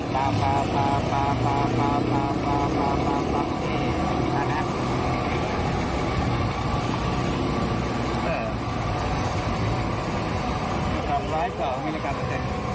สองร้ายสองมิลลิกรัมเปอร์เซ็นต์